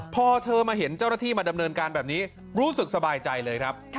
พอเธอมาเห็นเจ้าหน้าที่มาดำเนินการแบบนี้รู้สึกสบายใจเลยครับ